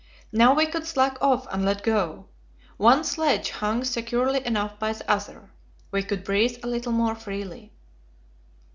Now we could slack off and let go: one sledge hung securely enough by the other. We could breathe a little more freely.